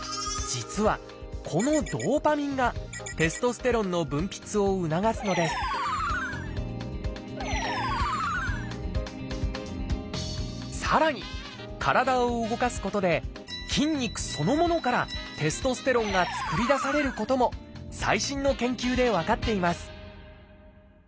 実はこのドーパミンがテストステロンの分泌を促すのですさらに体を動かすことで筋肉そのものからテストステロンが作り出されることも最新の研究で分かっています